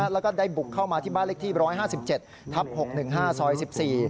แล้วก็ได้บุกเข้ามาที่บ้านเล็กที่๑๕๗ทับ๖๑๕ซอย๑๔